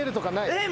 えっ？